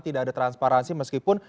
tidak ada transparansi meskipun